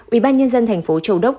ủy ban nhân dân thành phố châu đốc